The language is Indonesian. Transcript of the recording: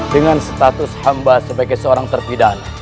dengan status hamba sebagai seorang terpidana